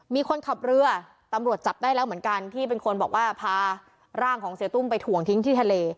มีคนขับเรือตำรวจจับได้แล้วเหมือนกันที่เป็นคนบอกว่าพาร่างของเสียตุ้มไปถ่วงทิ้งที่ทะเล